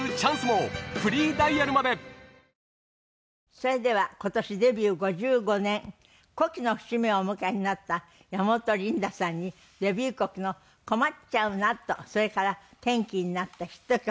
それでは今年デビュー５５年古希の節目をお迎えになった山本リンダさんにデビュー曲の『こまっちゃうナ』とそれから転機になったヒット曲